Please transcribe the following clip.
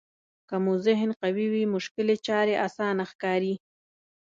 که مو ذهن قوي وي مشکلې چارې اسانه ښکاري.